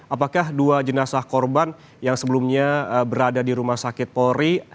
apakah dua jenazah korban yang sebelumnya berada di rumah sakit polri